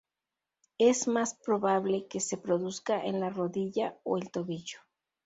Es más probable que se produzca en la rodilla o el tobillo.